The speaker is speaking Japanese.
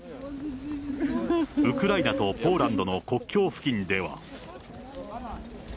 ウクライナとポーランドの国境付近では。